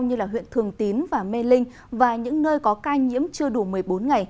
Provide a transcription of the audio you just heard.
như huyện thường tín và mê linh và những nơi có ca nhiễm chưa đủ một mươi bốn ngày